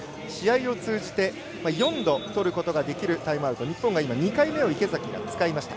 試合を通じて４度とることができるタイムアウト、日本は今２回目を池崎が使いました。